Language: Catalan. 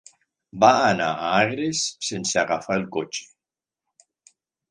Va anar a Agres sense agafar el cotxe.